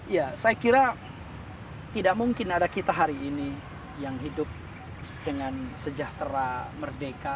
ya saya kira tidak mungkin ada kita hari ini yang hidup dengan sejahtera merdeka